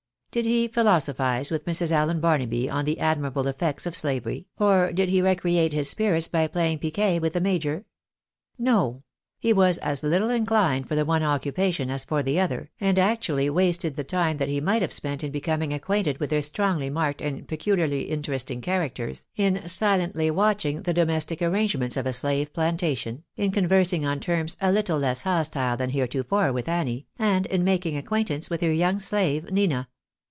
Did he philosophise with Mrs. Allen Barnaby on the admirable effects of slavery, or did he recreate his spirits by playing piquet with the major ? No ! He was as little inchned for the one occupation as for the other, and actually wasted the time that he might have spent in becoming acquainted with their strongly marked and peculiarly interesting characters, in silently watching the domestic arrangements of a slave plantation, in conversing on terms a little less hostile than heretofore with Annie, and in making acquaint ance vpith her young slave Nina.